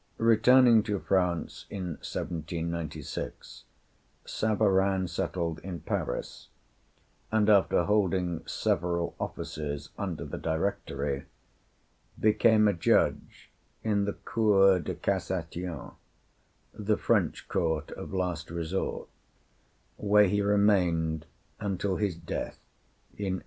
Returning to France in 1796, Savarin settled in Paris, and after holding several offices under the Directory, became a Judge in the Cour de Cassation, the French court of last resort, where he remained until his death in 1826.